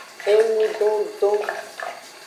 Engudondon.